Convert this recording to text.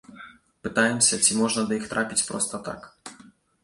Пытаемся, ці можна да іх трапіць проста так.